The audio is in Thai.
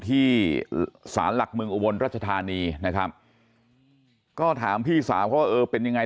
ที่ศาลหลักมืออวนรัชธานีนะครับก็ถามพี่สาวก็เป็นยังไง